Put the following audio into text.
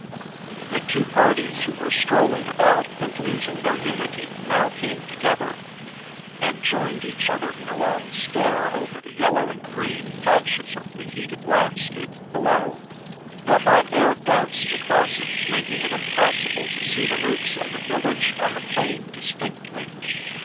The two parties who were strolling about and losing their unity now came together, and joined each other in a long stare over the yellow and green patches of the heated landscape below. The hot air danced across it, making it impossible to see the roofs of a village on the plain distinctly.